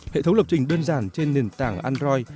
hệ thống lập trình đơn giản trên nền tảng android